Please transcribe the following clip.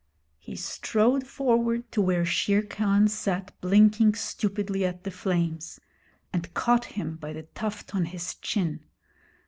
He strode forward to where Shere Khan sat blinking stupidly at the flames, and caught him by the tuft on his chin.